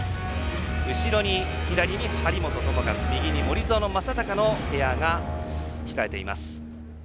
後ろに左に張本智和右に森薗政崇のペアが控えています。